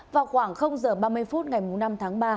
vào khoảng h ba mươi phút ngày năm tháng ba